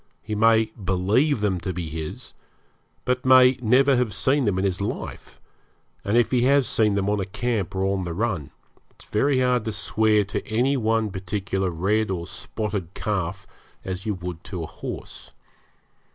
He may believe them to be his, but may never have seen them in his life; and if he has seen them on a camp or on the run, it's very hard to swear to any one particular red or spotted calf as you would to a horse.